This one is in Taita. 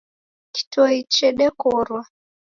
Kitoi chedekorwa.